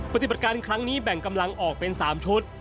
ปฏิบัติการครั้งนี้แบ่งกำลังออกเป็น๓ชุด